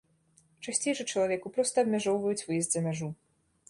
Часцей жа чалавеку проста абмяжоўваюць выезд за мяжу.